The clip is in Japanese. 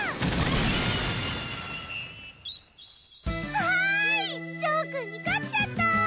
わいジョーくんに勝っちゃった！